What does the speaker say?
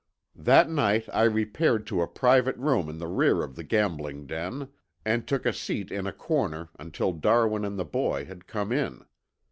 "That night I repaired to a private room in the rear of the gambling den and took a seat in a corner until Darwin and the boy had come in.